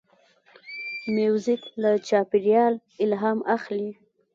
موزیک له چاپېریال الهام اخلي.